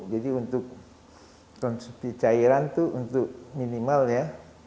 jadi untuk konsumsi cairan itu untuk minimal ya